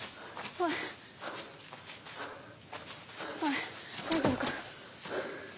おい大丈夫か？